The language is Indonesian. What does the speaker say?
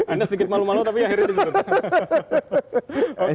anda sedikit malu malu tapi akhirnya disuruh